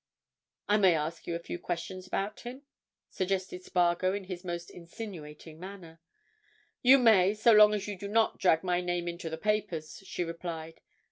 "I may ask you a few questions about him?" suggested Spargo in his most insinuating manner. "You may, so long as you do not drag my name into the papers," she replied.